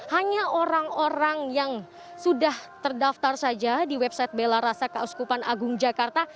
hanya orang orang yang sudah terdaftar saja di website bela rasa keauskupan agung jakarta